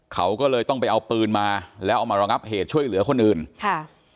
เขาก็เลยต้องไปเอาปืนมาแล้วเอามารองับเหตุช่วยเหลือคนอื่นค่ะ